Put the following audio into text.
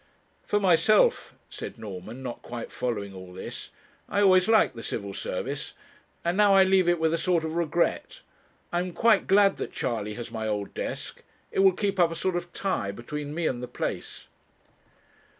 'For myself,' said Norman, not quite following all this 'I always liked the Civil Service, and now I leave it with a sort of regret. I am quite glad that Charley has my old desk; it will keep up a sort of tie between me and the place.'